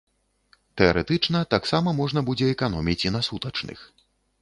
Тэарэтычна, таксама можна будзе эканоміць і на сутачных.